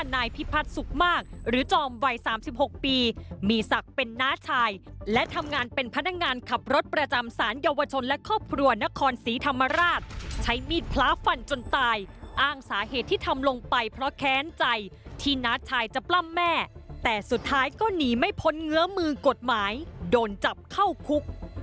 น้าชายและทำงานเป็นพนักงานขับรถประจำศาลเยาวชนและครอบครัวนครสีธรรมราชใช้มีดพล้าฟันจนตายอ้างสาเหตุที่ทำลงไปเพราะแค้นใจที่น้าชายจะปล้ำแม่แต่สุดท้ายก็หนีไม่พ้นเงื้อมือกฎหมายโดนจับเข้าคุก